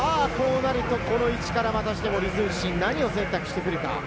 こうなると、この位置からまたしても李承信、何を選択してくるか？